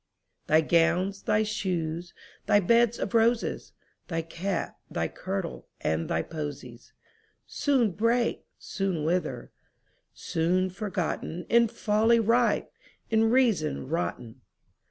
Thy gowns, thy shoes, thy beds of roses, Thy cap, thy kirtle, and thy posies, Soon break, soon wither—soon forgotten, In folly ripe, in reason rotten.